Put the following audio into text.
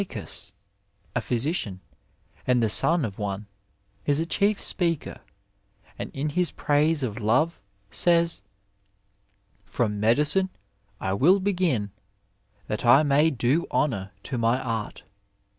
78 Digitized by VjOOQIC PHYSIC AND PHYSICIANS and the son of one, is a chief speaker, and in his praise of love says, '^ from medicine I will begin that I may do honour to my art."